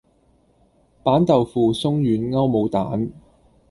板豆腐鬆軟歐姆蛋